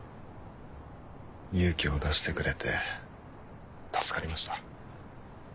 勇気を出してくれて助かりました。